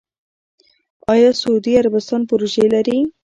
آیا سعودي عربستان پروژې لري؟